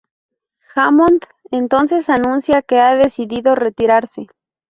Hammond entonces anuncia que ha decidido retirarse.